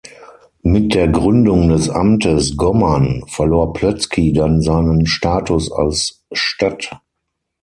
Mit der Gründung des Amtes Gommern verlor Plötzky dann seinen Status als Stadt.